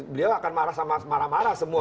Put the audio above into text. beliau akan marah sama marah marah semua